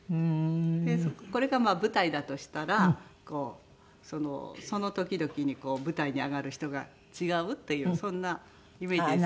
これがまあ舞台だとしたらこうその時々に舞台に上がる人が違うというそんなイメージですね。